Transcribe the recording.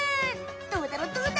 どうだろう？